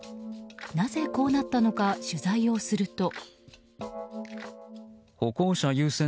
なぜ、こうなったのか取材をすると。